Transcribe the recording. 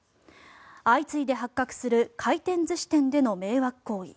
相次いで発覚する回転寿司店での迷惑行為。